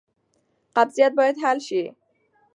قبضیت باید حل شي.